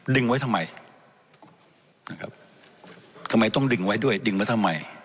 ไว้ทำไมนะครับทำไมต้องดึงไว้ด้วยดึงไว้ทำไม